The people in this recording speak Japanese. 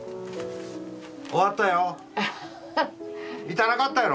終わったよ。